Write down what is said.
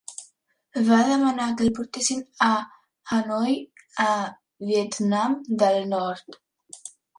Va demanar que el portessin a Hanoi, a Vietnam del Nord.